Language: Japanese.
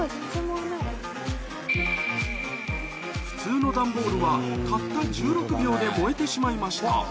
普通の段ボールはたった１６秒で燃えてしまいました